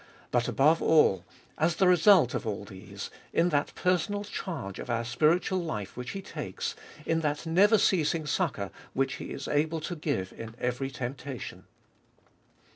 But above all, as the result of all these, in that personal charge of our spiritual life which He takes, in that never ceasing succour which He is able to give in every temptation.